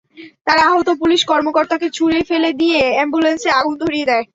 তাঁরা আহত পুলিশ কর্মকর্তাকে ছুড়ে ফেলে দিয়ে অ্যাম্বুলেন্সে আগুন ধরিয়ে দেয়।